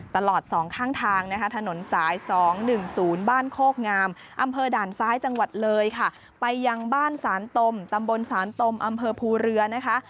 ตลอดสองข้างทางนะคะถนนสาย๒๑๐บ้านโคกงามอำเภอด่านซ้ายจังหวัดเลยค่ะไปยังบ้านสานตมตำบลสานตมอำเภอภูเรือนะคะ